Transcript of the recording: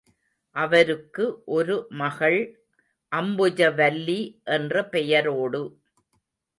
அவருக்கு ஒரு மகள் அம்புஜவல்லி என்ற பெயரோடு.